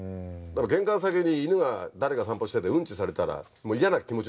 玄関先に犬が誰か散歩しててうんちされたら嫌な気持ちになるでしょ？